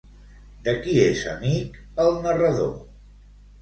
De qui és amic, el narrador?